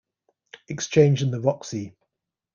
Exchange, and The Roxy.